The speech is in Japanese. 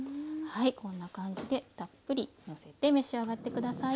こんな感じでたっぷりのせて召し上がって下さい。